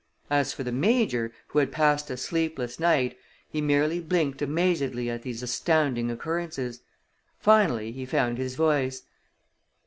As for the Major, who had passed a sleepless night, he merely blinked amazedly at these astounding occurrences. Finally, he found his voice.